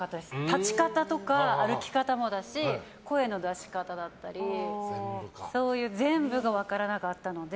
立ち方とか歩き方とかもだし声の出し方だったりそういう全部が分からなかったので。